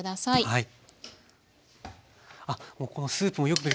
はい。